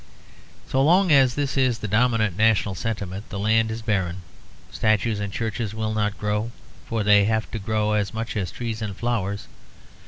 So long as this is the dominant national sentiment, the land is barren, statues and churches will not grow for they have to grow, as much as trees and flowers.